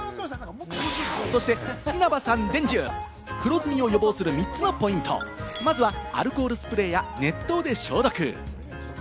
そして稲葉さん伝授、黒ずみを予防する３つのポイント、まずはアルコールスプレーや熱湯で消毒。